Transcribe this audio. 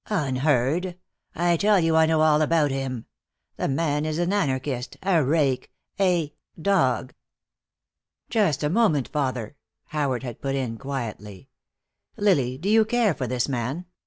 "Unheard! I tell you I know all about him. The man is an anarchist, a rake, a dog." "Just a moment, father," Howard had put in, quietly. "Lily, do you care for this man?